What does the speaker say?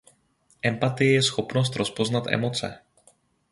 Empatie je schopnost rozpoznat emoce.